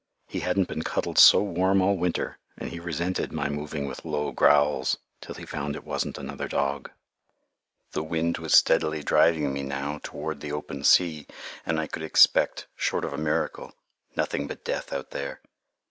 He hadn't been cuddled so warm all winter, and he resented my moving with low growls till he found it wasn't another dog. [Illustration: DOC] The wind was steadily driving me now toward the open sea, and I could expect, short of a miracle, nothing but death out there.